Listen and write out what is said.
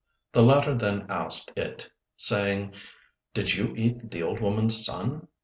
The latter then asked it, saying, "Did you eat the old woman's son?"